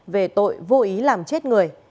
về tội vô ý làm chết người